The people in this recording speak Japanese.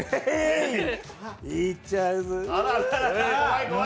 いっちゃうぞ。